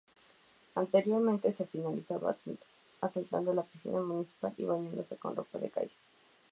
Anteriormente se finalizaba asaltando la piscina municipal y bañándose con ropa de calle.